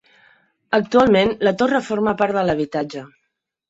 Actualment la torre forma part de l'habitatge.